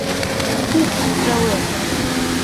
Күк күкрәүе!